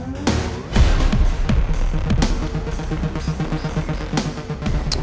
ibu pasti jadi ikut sedih